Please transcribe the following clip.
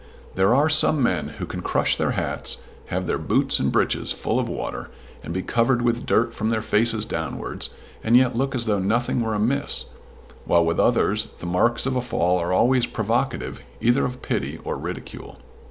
There are some men who can crush their hats, have their boots and breeches full of water, and be covered with dirt from their faces downwards, and yet look as though nothing were amiss, while, with others, the marks of a fall are always provocative either of pity or ridicule.